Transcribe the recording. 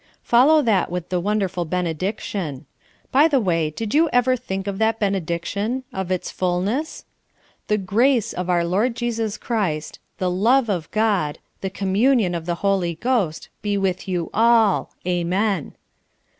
Follow that with the wonderful benediction. By the way, did you ever think of that benediction of its fulness? "The grace of our Lord Jesus Christ, the love of God, the communion of the Holy Ghost, be with you all. Amen."